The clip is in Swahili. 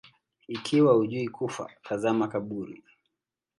Ikiwa hujui kufa, tazama kaburi